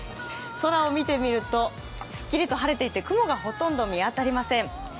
空を見てみると、すっきりと晴れていて雲がほとんど見当たりません。